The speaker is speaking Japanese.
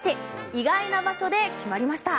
意外な場所で決まりました。